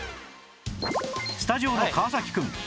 スタジオの川くん